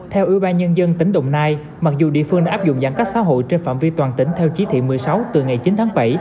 theo ủy ban nhân dân tỉnh đồng nai mặc dù địa phương đã áp dụng giãn cách xã hội trên phạm vi toàn tỉnh theo chí thị một mươi sáu từ ngày chín tháng bảy